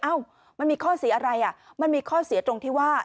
มันมีข้อเสียอะไรอ่ะมันมีข้อเสียตรงที่ว่า